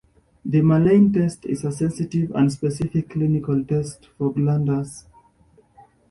The mallein test is a sensitive and specific clinical test for glanders.